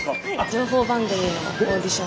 情報番組のオーディション。